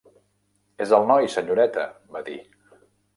"És el noi, senyoreta", va dir.